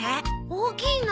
大きいの？